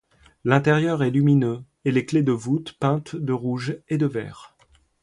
L'intérieur est lumineux et les clés de voûte peintes de rouge et de vert.